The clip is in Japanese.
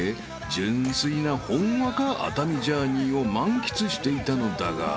純粋なほんわか熱海ジャーニーを満喫していたのだが］